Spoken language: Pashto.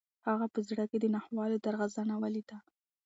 هغه په زړه کې د ناخوالو درغځنه ولیده.